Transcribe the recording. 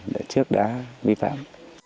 đã trước đã vi phạm